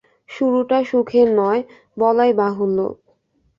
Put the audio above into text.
শুরুটা সুখের নয়, বলাই বাহুল্য।